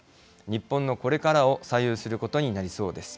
日本のこれからを左右することになりそうです。